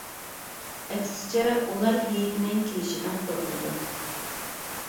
ئەكسىچە، ئۇلار ھېيتنىڭ كېلىشىدىن قورقىدۇ.